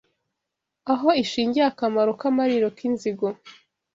Aho ishingiye akamaro, Kamariro k’inzigo